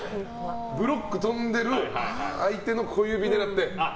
ブロック跳んでる相手の小指を狙って。